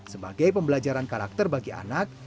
sebagai pembelajaran karakter bagi anak